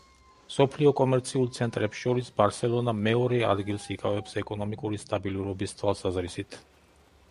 მსოფლიო კომერციულ ცენტრებს შორის, ბარსელონა მეორე ადგილს იკავებს ეკონომიკური სტაბილურობის თვალსაზრისით.